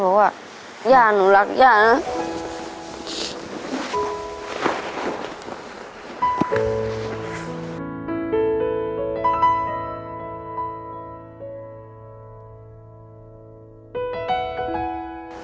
เพราะว่าย่าหนูรักย่านะ